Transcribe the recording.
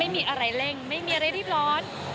ไม่มีอะไรเร่งไม่มีอะไรรีบร้อน